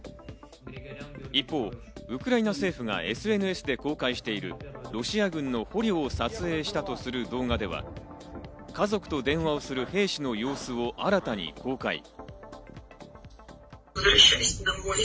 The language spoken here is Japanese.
一方、ウクライナ政府がＳＮＳで公開しているロシア軍の捕虜を撮影したとする動画では、家族と電話をする兵士の様子を新たに公開。